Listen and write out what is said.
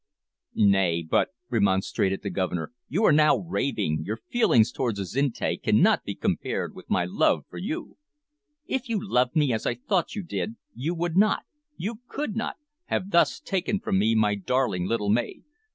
"Nay, but," remonstrated the Governor, "you are now raving; your feelings towards Azinte cannot be compared with my love for you." "If you loved me as I thought you did, you would not you could not have thus taken from me my darling little maid.